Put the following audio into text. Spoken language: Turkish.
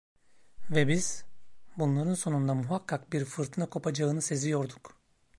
Ve biz, bunların sonunda muhakkak bir fırtına kopacağını seziyorduk.